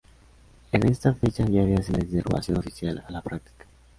En esta fecha ya había señales de reprobación oficial a la práctica.